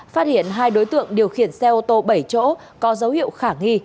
phát hiện hai đối tượng điều khiển xe ô tô bảy chỗ có dấu hiệu khả nghi